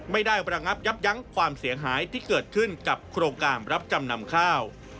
ไม่ได้ระงับยับยั้งความเสียหายที่เกิดขึ้นกับโครงการรับจำนำข้าว